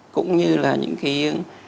cũng như là những cái